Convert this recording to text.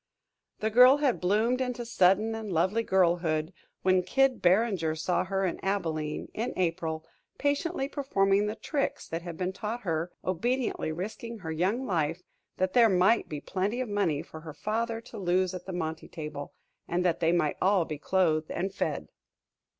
The girl had bloomed into sudden and lovely girlhood when Kid Barringer saw her at Abilene, in April, patiently performing the tricks that had been taught her, obediently risking her young life that there might be plenty of money for her father to lose at the monte table, and that they might all be clothed and fed.